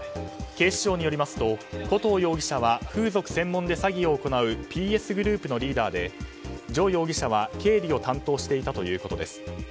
警視庁によりますと古藤容疑者は風俗専門で詐欺を行うＰＳグループのリーダーでジョ容疑者は、経理を担当していたということです。